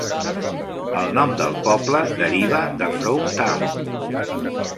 El nom del poble deriva de "Frome Town".